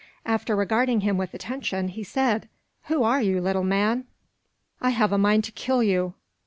After regarding him with attention, he said: "Who are you, little man? I have a mind to kill you."